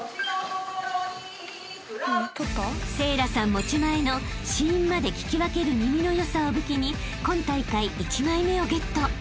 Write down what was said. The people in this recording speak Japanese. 持ち前の子音まで聞き分ける耳の良さを武器に今大会１枚目をゲット］